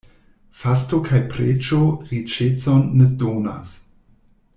Fasto kaj preĝo riĉecon ne donas.